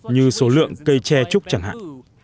như số lượng cây tre trúc chẳng hạn